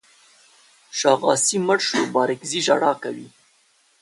شاغاسي مړ شو بارکزي ژړا کوي.